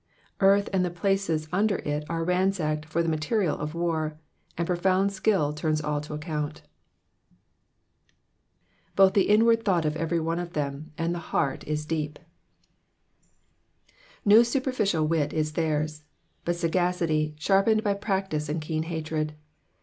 Earth and the places under it are ransacked for the maferid of war, and profound skill turns all to account. ^'Both the inuard thovght of every one of theta^ and the heart, is deep.'''' ^o superficial wit is theirs ; but sagacity, sharpened by practice and keen hatied.